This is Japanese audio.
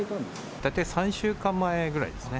大体３週間前ぐらいですね。